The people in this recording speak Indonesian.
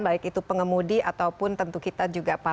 baik itu pengemudi ataupun tentu kita juga paham